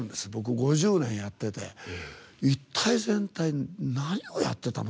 ５０年やってて一体全体、何をやってたの？